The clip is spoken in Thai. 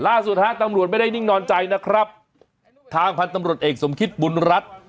ล่าสุดฮะตำรวจไม่ได้นิ่งนอนใจนะครับทางพันธุ์ตำรวจเอกสมคิตบุญรัฐ